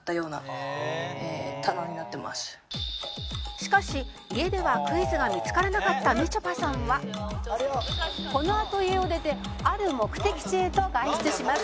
「しかし家ではクイズが見付からなかったみちょぱさんはこのあと家を出てある目的地へと外出します」